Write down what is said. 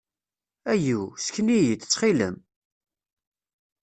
Ayu! Sken-iyi-d, ttxil-m!